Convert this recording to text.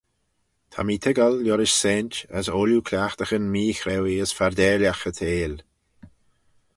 Ta mee toiggal liorish saynt, as ooilley cliaghtaghyn meechrauee as fardailagh y theihll.